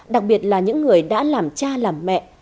đặc biệt là những người đã làm cha làm mẹ